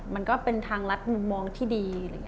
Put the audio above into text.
มันก็เป็นทางรัฐมุมมองที่ดี